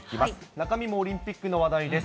中身もオリンピックの話題です。